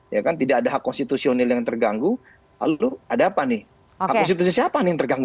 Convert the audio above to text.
ya kan tidak ada hak konstitusional yang terganggu lalu ada apa nih hak konstitusi siapa nih yang terganggu